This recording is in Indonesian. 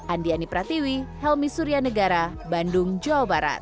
andiani pratiwi helmi surya negara bandung jawa barat